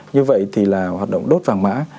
như vậy thì là hoạt động đốt vào mã